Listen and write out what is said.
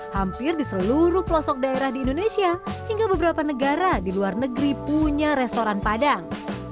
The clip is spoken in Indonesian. hampir di seluruh pelosok daerah di indonesia hingga beberapa negara di luar negeri punya restoran padang